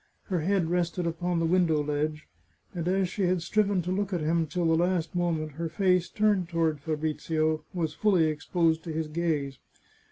Her head rested upon the window ledge, and as she had striven to look at him till the last moment her face, turned toward Fabrizio, was fully exposed to his gaze.